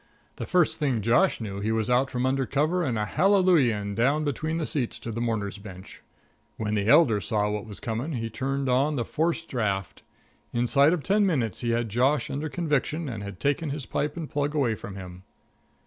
The first thing Josh knew he was out from under cover and a hallelujahing down between the seats to the mourners' bench. When the elder saw what was coming he turned on the forced draft. Inside of ten minutes he had Josh under conviction and had taken his pipe and plug away from him.